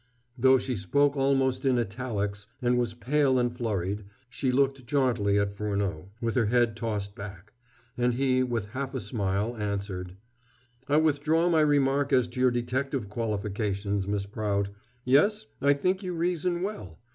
Though she spoke almost in italics, and was pale and flurried, she looked jauntily at Furneaux, with her head tossed back; and he, with half a smile, answered: "I withdraw my remark as to your detective qualifications, Miss Prout. Yes, I think you reason well.